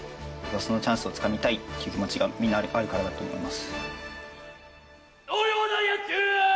そのチャンスをつかみたいという気持ちがみんなあるからだと思います。